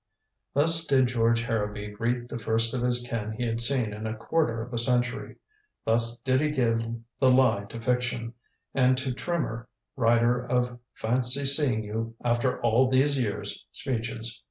Thus did George Harrowby greet the first of his kin he had seen in a quarter of a century. Thus did he give the lie to fiction, and to Trimmer, writer of "fancy seeing you after all these years" speeches.